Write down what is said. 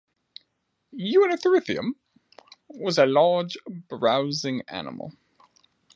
"Uintatherium" was a large browsing animal.